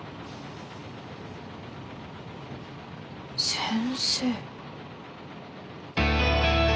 先生？